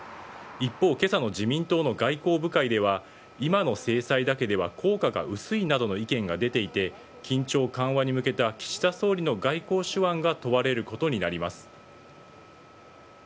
一方今朝の自民党の外交部会では今の制裁だけでは効果が薄いなどの意見が出ていて緊張緩和に向けた岸田総理の外交手腕が問われることになります。